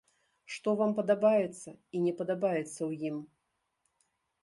Што вам падабаецца і не падабаецца ў ім?